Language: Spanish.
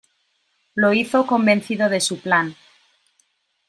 Lo hizo convencido de su plan.